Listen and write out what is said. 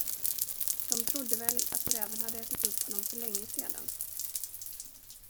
De trodde väl, att räven hade ätit upp honom för länge sedan.